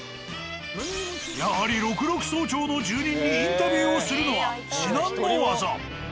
やはり六麓荘町の住人にインタビューをするのは至難の業。